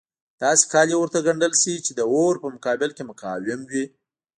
داسې کالي ورته ګنډل شي چې د اور په مقابل کې مقاوم وي.